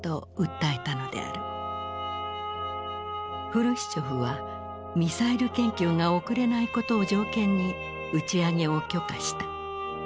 フルシチョフはミサイル研究が遅れないことを条件に打ち上げを許可した。